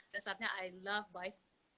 dasarnya i love boys